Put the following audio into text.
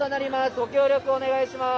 ご協力お願いします。